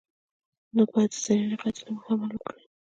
نو باید د زرینې قاعدې له مخې عمل وکړي.